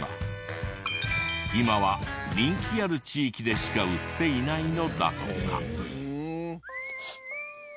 今は人気ある地域でしか売っていないのだとか。